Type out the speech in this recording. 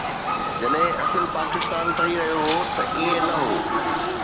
جڏهن اصل پاڪستان ٺهي رهيو هو ته ائين نه هو.